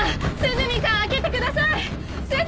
涼見さん開けてください！